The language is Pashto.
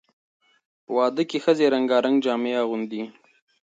په واده کې ښځې رنګارنګ جامې اغوندي.